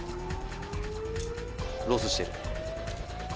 「ロスしてる」